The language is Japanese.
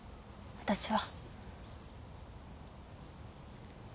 私は。